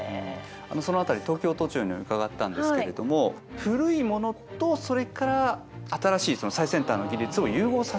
あのその辺り東京都庁に伺ったんですけれども古いものとそれから新しい最先端の技術を融合させたデザインになっている。